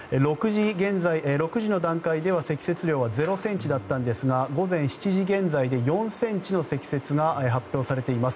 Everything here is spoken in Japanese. ６時現在の段階では積雪量は０ｃｍだったんですが４ｃｍの積雪が発表されています。